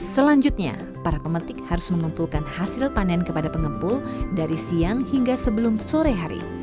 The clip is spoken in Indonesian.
selanjutnya para pemetik harus mengumpulkan hasil panen kepada pengepul dari siang hingga sebelum sore hari